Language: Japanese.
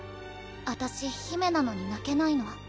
私姫なのに泣けないの。